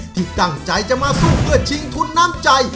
ที่ตั้งใจจะมาสู้เพื่อชิงทุนน้ำใจ